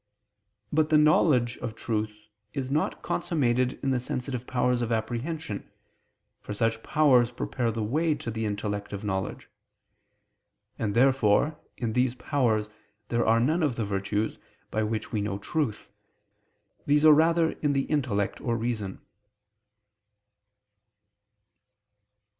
But the knowledge of truth is not consummated in the sensitive powers of apprehension: for such powers prepare the way to the intellective knowledge. And therefore in these powers there are none of the virtues, by which we know truth: these are rather in the intellect or reason.